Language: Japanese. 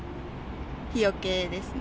日よけですね。